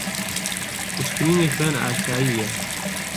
پشکنینی خوێن ئاسایییە.